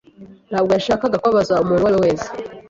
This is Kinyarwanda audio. ntabwo yashakaga kubabaza umuntu uwo ari we wese.